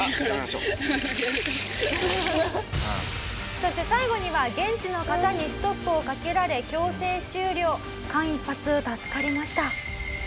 「そして最後には現地の方にストップをかけられ強制終了」「間一髪助かりました」